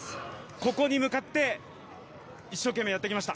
ここに向かって一生懸命やってきました。